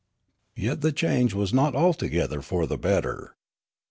Yet the change was not altogether for the better.